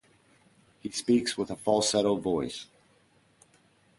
He speaks with a falsetto voice.